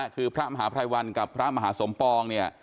คือพระมหาพรายวันกับพระมหาสมปอง